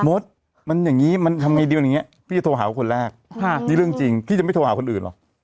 มดมันอย่างนี้มันทำไงดีมันอย่างเงี้พี่จะโทรหาคนแรกนี่เรื่องจริงพี่จะไม่โทรหาคนอื่นหรอก